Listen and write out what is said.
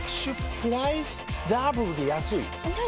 プライスダブルで安いＮｏ！